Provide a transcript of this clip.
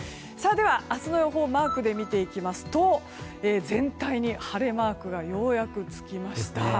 明日の予報をマークで見ていくと全体に晴れマークがようやくつきました。